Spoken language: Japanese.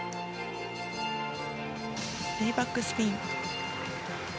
レイバックスピン。